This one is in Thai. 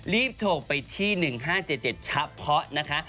รีบโทรไปที่๑๕๗๗เฉพาะนะคะ